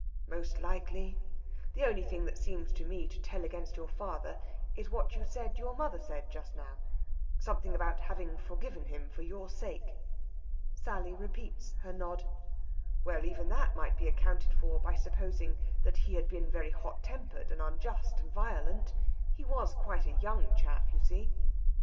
"Most likely. The only thing that seems to me to tell against your father is what you said your mother said just now something about having forgiven him for your sake." Sally repeats her nod. "Well, even that might be accounted for by supposing that he had been very hot tempered and unjust and violent. He was quite a young chap, you see...."